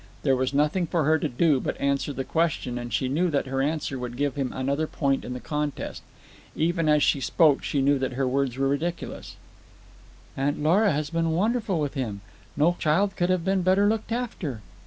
There was nothing for her to do but answer the question, and she knew that her answer would give him another point in the contest. Even as she spoke she knew that her words were ridiculous. "Aunt Lora has been wonderful with him. No child could have been better looked after."